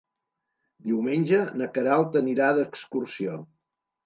Diumenge na Queralt anirà d'excursió.